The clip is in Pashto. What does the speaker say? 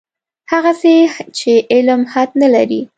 هغسې چې علم حد نه لري.